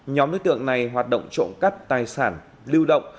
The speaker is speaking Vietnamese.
nhóm đối tượng này hoạt động trộm cắp tài sản lưu động